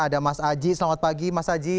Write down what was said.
ada mas aji selamat pagi mas aji